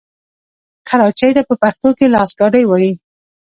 کراچۍ ته په پښتو کې لاسګاډی وايي.